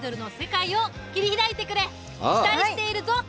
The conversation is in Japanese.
期待しているぞ！